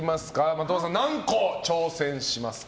的場さん、何個挑戦しますか？